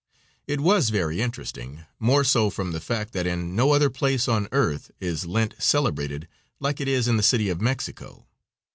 It was very interesting, more so from the fact that in no other place on earth is Lent celebrated like it is in the City of Mexico.